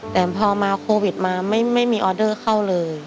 แต่พอมาโควิดมาไม่มีออเดอร์เข้าเลย